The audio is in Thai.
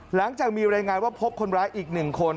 หลังจากมีรายงานว่าพบคนร้ายอีก๑คน